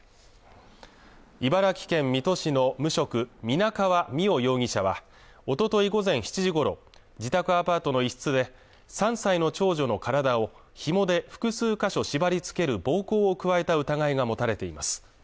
茨城県水戸市の無職皆川美桜容疑者はおととい午前７時ごろ自宅アパートの一室で３歳の長女の体をひもで複数か所縛り付ける暴行を加えた疑いが持たれています